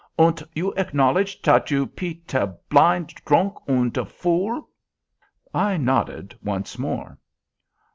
"Und you acknowledge tat you pe te blind dronk und te vool?" I nodded once more.